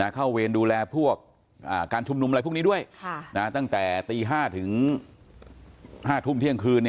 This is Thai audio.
เวรดูแลพวกการชุมนุมอะไรพวกนี้ด้วยตั้งแต่ตี๕ถึง๕ทุ่มเที่ยงคืน